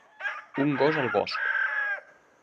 Un gos al bosc.